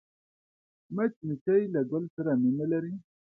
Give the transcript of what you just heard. مچمچۍ له ګل سره مینه لري